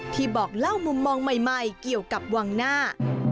บอกเล่ามุมมองใหม่เกี่ยวกับวังหน้า